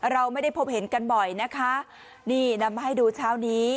เราไม่ได้พบเห็นกันบ่อยนะคะนี่นำมาให้ดูเช้านี้